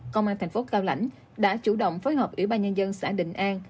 công an thành phố cao lãnh đã chủ động phối hợp ủy ban nhân dân xã đình an